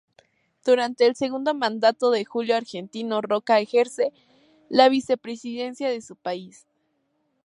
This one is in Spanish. Durante el segundo mandato de Julio Argentino Roca ejerció la vicepresidencia de su país.